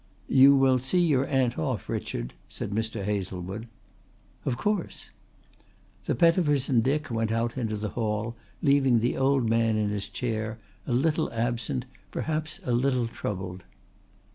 "You will see your aunt off, Richard," said Mr. Hazlewood. "Of course." The Pettifers and Dick went out into the hall, leaving the old man in his chair, a little absent, perhaps a little troubled.